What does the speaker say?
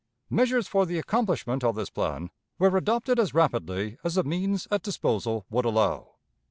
Measures for the accomplishment of this plan were adopted as rapidly as the means at disposal would allow.